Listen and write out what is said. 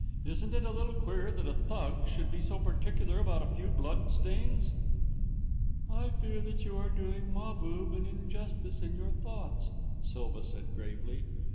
Isn't it a little queer that a Thug should be so particular about a few blood stains?" "I fear that you are doing Mahbub an injustice in your thoughts," Silva said, gravely.